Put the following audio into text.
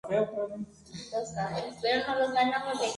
Su presidente actual es Jarosław Kaczyński.